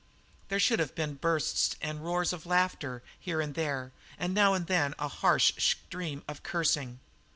There should have been bursts and roars of laughter here and there, and now and then a harsh stream of cursing.